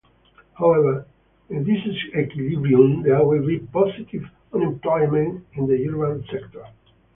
However, in this equilibrium there will be positive unemployment in the urban sector.